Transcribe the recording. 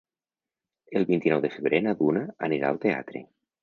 El vint-i-nou de febrer na Duna anirà al teatre.